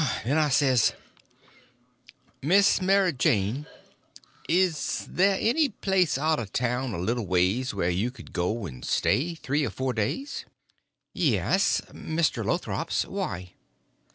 Then I says: "Miss Mary Jane, is there any place out of town a little ways where you could go and stay three or four days?" "Yes; Mr. Lothrop's. Why?"